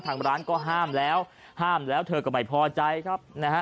ทางร้านก็ห้ามแล้วห้ามแล้วเธอก็ไม่พอใจครับนะฮะ